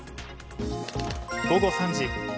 午後３時。